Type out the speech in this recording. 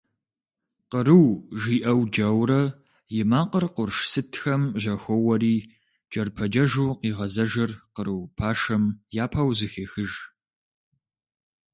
«Къру» жиӀэу джэурэ и макъыр къурш сытхэм жьэхоуэри джэрпэджэжу къигъэзэжыр къру пашэм япэу зэхехыж.